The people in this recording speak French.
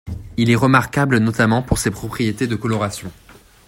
Il est remarquable notamment pour ses propriétés de coloration.